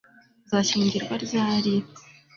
Uzashyingirwa ryari